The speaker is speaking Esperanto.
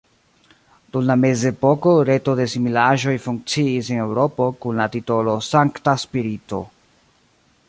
Dum la mezepoko reto de similaĵoj funkciis en Eŭropo kun la titolo Sankta Spirito.